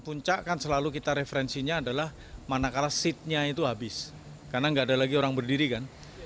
puncak kan selalu kita referensinya adalah manakala seatnya itu habis karena nggak ada lagi orang berdiri kan